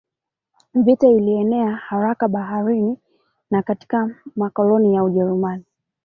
Vita ilienea haraka Baharini na katika makoloni ya Ujerumani